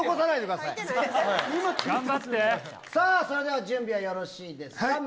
それでは準備はよろしいですか？